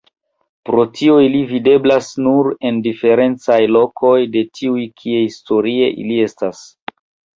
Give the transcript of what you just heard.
Pro tio ili videblas nun en diferencaj lokoj de tiuj kie historie ili estis.